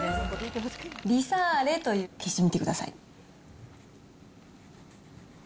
リサーレという、消してみてください。